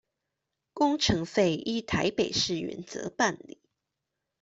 工程費依臺北市原則辦理